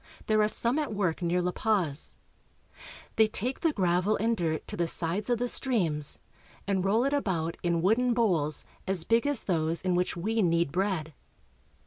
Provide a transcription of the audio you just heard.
There are some at work near La Paz. They take the gravel and dirt to the sides of the streams, and roll it about in wooden bowls as big as those in which we knead bread.